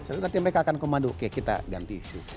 nanti mereka akan komando oke kita ganti isu